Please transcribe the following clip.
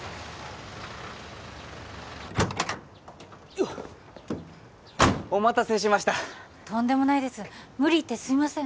よっお待たせしましたとんでもないです無理言ってすいません